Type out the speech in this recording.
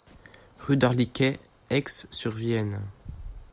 Rue d'Arliquet, Aixe-sur-Vienne